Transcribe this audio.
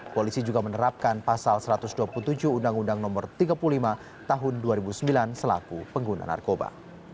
polisi juga menerapkan pasal satu ratus dua puluh tujuh undang undang no tiga puluh lima tahun dua ribu sembilan selaku pengguna narkoba